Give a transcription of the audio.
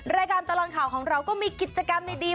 รายการตลอดข่าวของเราก็มีกิจกรรมดี